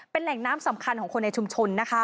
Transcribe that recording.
เป็นแหล่งน้ำสำคัญของคนในชุมชนนะคะ